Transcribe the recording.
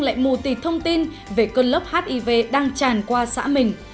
lại mù tịt thông tin về cơn lớp hiv đang tràn qua xã mình